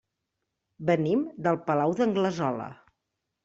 Venim del Palau d'Anglesola.